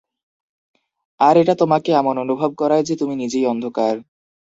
আর এটা তোমাকে এমন অনুভব করায় যে তুমি নিজেই অন্ধকার।